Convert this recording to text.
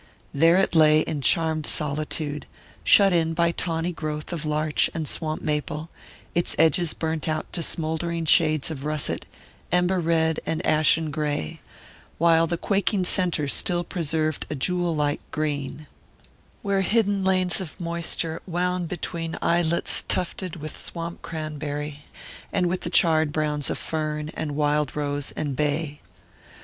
There it lay in charmed solitude, shut in by a tawny growth of larch and swamp maple, its edges burnt out to smouldering shades of russet, ember red and ashen grey, while the quaking centre still preserved a jewel like green, where hidden lanes of moisture wound between islets tufted with swamp cranberry and with the charred browns of fern and wild rose and bay.